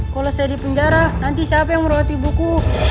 kalau saya dipenjara nanti siapa yang meruati buku